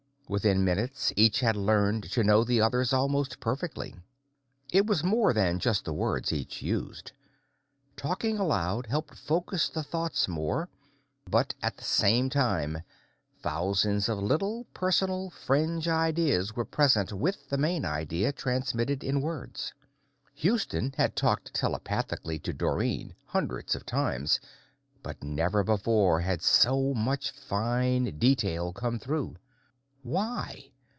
Within minutes, each had learned to know the others almost perfectly. It was more than just the words each used. Talking aloud helped focus the thoughts more, but at the same time, thousands of little, personal, fringe ideas were present with the main idea transmitted in words. Houston had talked telepathically to Dorrine hundreds of times, but never before had so much fine detail come through. Why?